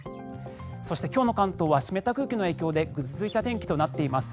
そして、今日の関東は湿った空気の影響でぐずついた天気となっています。